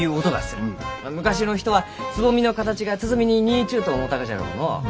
昔の人は蕾の形が鼓に似ちゅうと思うたがじゃろうのう。